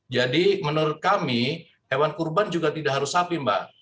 jadi menurut kami hewan kurban juga tidak harus sapi mbak